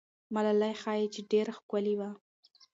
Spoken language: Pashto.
ملالۍ ښایي چې ډېره ښکلې وه.